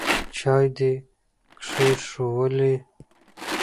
چای دي کښېښوولې ؟